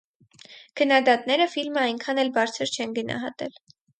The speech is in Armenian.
Քննադատները ֆիլմը այնքան էլ բարձր չեն գնահատել։